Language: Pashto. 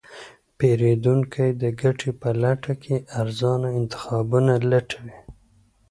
پیرودونکی د ګټې په لټه کې ارزانه انتخابونه لټوي.